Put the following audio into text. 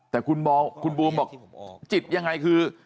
แต่คุณบูมบอกจิตยังไงคือ